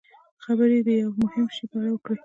خبرې د یوه مهم شي په اړه وکړي.